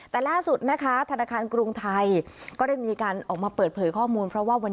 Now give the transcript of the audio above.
แต่ล่าสุดนะคะธนาคารกรุงไทยก็ได้มีการออกมาเปิดเผยข้อมูล